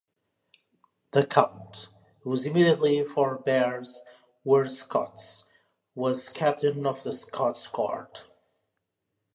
The Count, whose immediate forebears were Scots, was Captain of the Scots Guards.